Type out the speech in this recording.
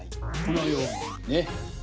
このようにね。